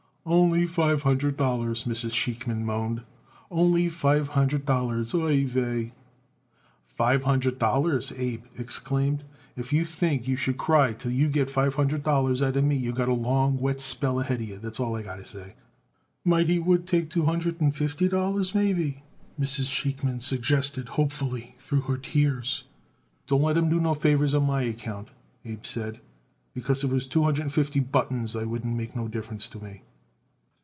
"Only five hundred dollars," Mrs. Sheikman moaned. "Only five hundred dollars. Ai vai!" "Five hundred dollars!" Abe exclaimed. "If you think you should cry till you get five hundred dollars out of me, you got a long wet spell ahead of you. That's all I got to say." "Might he would take two hundred and fifty dollars, maybe," Mrs. Sheikman suggested hopefully through her tears. "Don't let him do no favors on my account," Abe said; "because, if it was two hundred and fifty buttons it wouldn't make no difference to me."